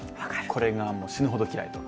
これがもう、死ぬほど嫌いと。